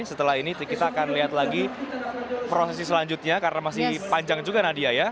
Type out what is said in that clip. setelah ini kita akan lihat lagi prosesi selanjutnya karena masih panjang juga nadia ya